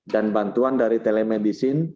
dan bantuan dari telemedicine